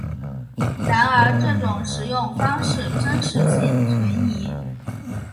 然而这种食用方法真实性存疑。